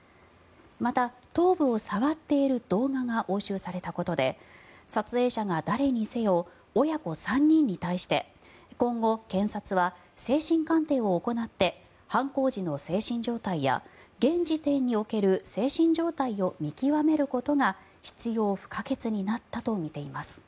また、頭部を触っている動画が押収されたことで撮影者が誰にせよ親子３人に対して今後、検察は精神鑑定を行って犯行時の精神状態や現時点における精神状態を見極めることが必要不可欠になったとみています。